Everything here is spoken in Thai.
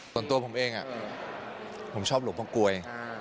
ส่วนตัวผมเองผมชอบโรงพวกก๊วย